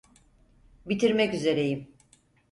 Bitirmek üzereyim.